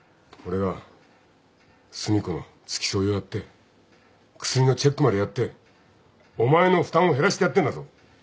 俺が寿美子の付き添いをやって薬のチェックまでやってお前の負担を減らしてやってんだぞ。